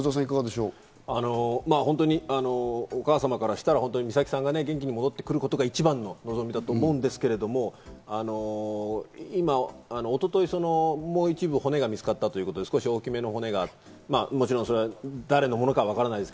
本当にお母様からしたら、美咲さんが元気に戻ってくることが一番の望みだと思うんですけど、一昨日もう一部骨が見つかったということで、少し大きめの骨が。